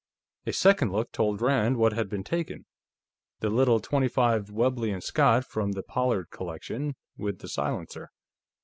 A second look told Rand what had been taken: the little .25 Webley & Scott from the Pollard collection, with the silencer.